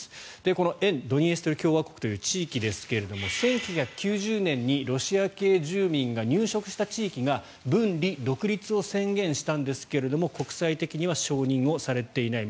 この沿ドニエストル共和国という地域ですが１９９０年にロシア系住民が入植した地域が分離独立を宣言したんですが国際的には承認をされていない。